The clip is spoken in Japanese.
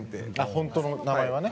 本当の名前はね。